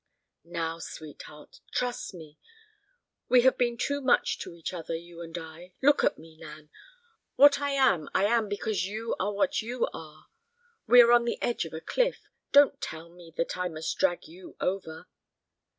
"Now, sweetheart, trust me. We have been too much to each other, you and I. Look at me, Nan; what I am I am because you are what you are. We are on the edge of a cliff. Don't tell me that I must drag you over."